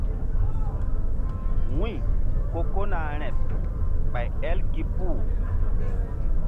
Wu̧y ko kona rȩɗ ɓay el gi puh.